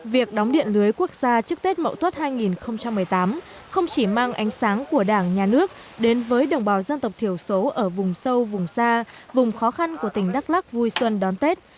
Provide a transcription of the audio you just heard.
việc đóng điện lưới quốc gia trước tết mậu tuất hai nghìn một mươi tám không chỉ mang ánh sáng của đảng nhà nước đến với đồng bào dân tộc thiểu số ở vùng sâu vùng xa vùng khó khăn của tỉnh đắk lắc vui xuân đón tết